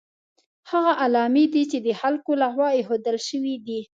هغه علامې دي چې د خلکو له خوا ایښودل شوي دي.